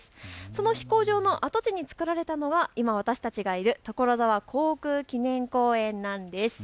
その飛行場の跡地に作られたのが今、私たちがいる所沢航空記念公園なんです。